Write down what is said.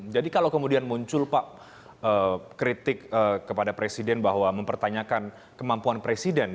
jadi kalau kemudian muncul pak kritik kepada presiden bahwa mempertanyakan kemampuan presiden